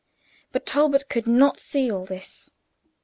But Talbot could not see all this.